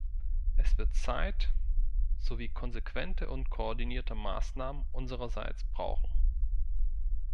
Es wird Zeit sowie konsequente und koordinierte Maßnahmen unsererseits brauchen.